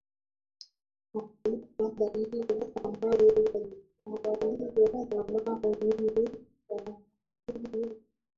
wakulima Bairu ambao walitawaliwa na mara nyingi kudharauliwa